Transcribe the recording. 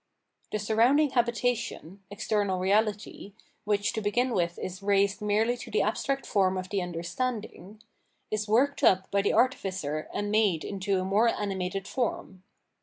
The surrounding habitation, external reahty, which to begin with is raised merely to the abstract form of the understanding, is worked up by the artificer and made into a more animated form.